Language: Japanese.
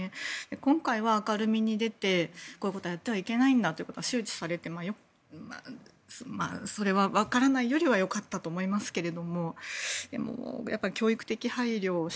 今回は明るみに出てこういうことをやってはいけないんだということが周知されてそれはわからないよりはよかったと思いますけど。